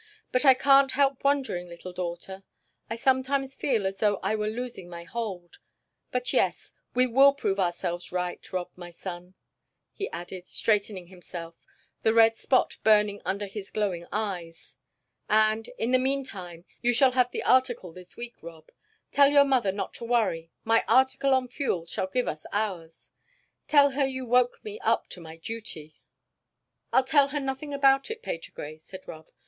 "But I can't help wondering, little daughter. I sometimes feel as though I were losing my hold. But, yes; we will prove ourselves right, Rob, my son," he added, straightening himself, the red spot burning under his glowing eyes. "And in the meantime you shall have the article this week, Rob. Tell your mother not to worry; my article on fuel shall give us ours. Tell her you woke me up to my duty." "I'll tell her nothing about it, Patergrey," said Rob.